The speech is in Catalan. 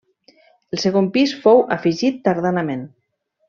El segon pis fou afegit tardanament.